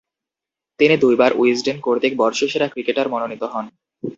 তিনি দুইবার উইজডেন কর্তৃক বর্ষসেরা ক্রিকেটার মনোনীত হন।